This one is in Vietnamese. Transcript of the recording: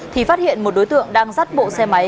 thì phát hiện một đối tượng đang rắt bộ xe máy